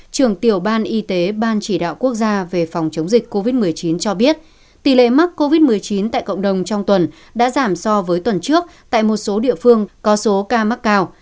trưởng tiểu ban y tế ban chỉ đạo quốc gia về phòng chống dịch covid một mươi chín cho biết tỷ lệ mắc covid một mươi chín tại cộng đồng trong tuần đã giảm so với tuần trước tại một số địa phương có số ca mắc cao